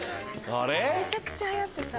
めちゃくちゃはやってた。